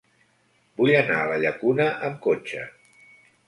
Vull anar a la Llacuna amb cotxe.